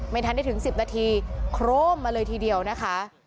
ทันได้ถึง๑๐นาทีโครมมาเลยทีเดียวนะคะ